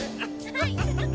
はい。